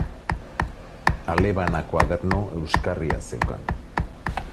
Ale bana koaderno euskarria zeukan.